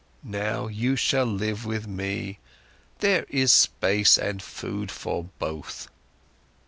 Now, you shall live with me, there is space and food for both."